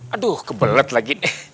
aduh kebelet lagi nih